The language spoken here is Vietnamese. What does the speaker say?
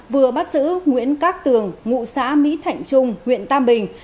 vừa bắt giữ nguyễn các tường ngụ xã mỹ thạnh trung huyện tam bình